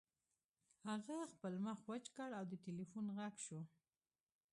هغه خپل مخ وچ کړ او د ټیلیفون غږ شو